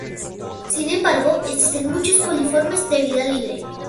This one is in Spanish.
Sin embargo, existen muchos coliformes de vida libre.